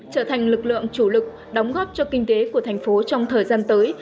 trở thành lực lượng chủ lực đóng góp cho kinh tế của thành phố trong thời gian tới